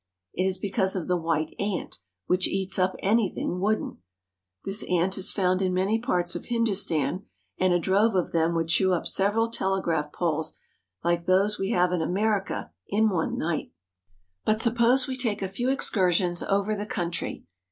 It is because of the white ant, which eats up anything wooden. This ant is found in many parts of Hindustan, and a drove of them would chew up several telegraph poles like those we have in America in one night. GENERAL VIEW OF INDIA 239 But suppose we take a few excursions over the country.